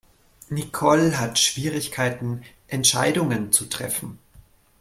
Nicole hat Schwierigkeiten Entscheidungen zu treffen.